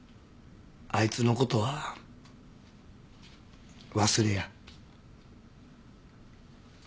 あいつのことは忘れや。